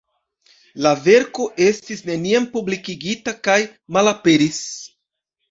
La verko estis neniam publikigita kaj malaperis.